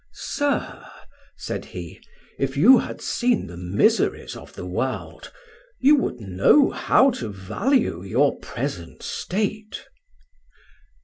"Sir," said he, "if you had seen the miseries of the world, you would know how to value your present state."